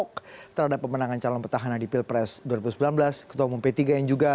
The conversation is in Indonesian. kenapa ahok ada di pinggiran